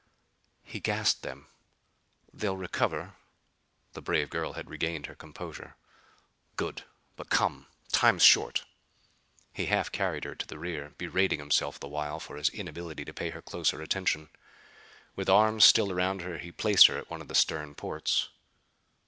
"He gassed them. They'll recover." The brave girl had regained her composure. "Good! But, come! Time's short." He half carried her to the rear, berating himself the while for his inability to pay her closer attention. With arms still around her he placed her at one of the stern ports.